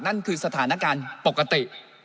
นั่นคือสถานการณ์ปกติ